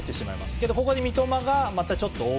けどここで三笘がまたちょっと追う。